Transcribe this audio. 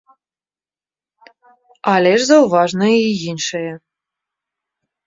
Але ж заўважна і іншае.